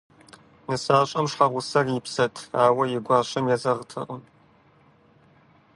НысащӀэм щхьэгъусэр и псэт, ауэ и гуащэм езэгъыртэкъым.